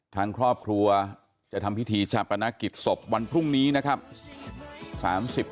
ทางครอบครัวจะทำพิธีชาปนกิจศพวันพรุ่งนี้นะครับ